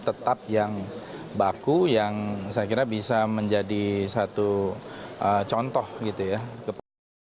tetap yang baku yang saya kira bisa menjadi satu contoh gitu ya ke publik